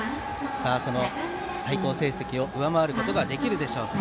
その最高成績を上回ることができるでしょうか。